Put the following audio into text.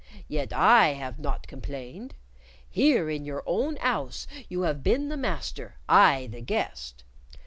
Yet I have not complained. Here in your own 'ouse you have been the master, I the guest.